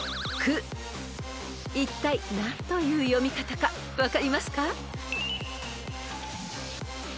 ［いったい何という読み方か分かりますか？］